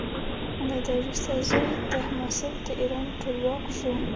له ده وروسته زوی یې تهماسب د ایران ټولواک شو.